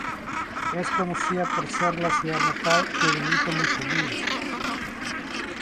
Es conocida por ser la ciudad natal de Benito Mussolini.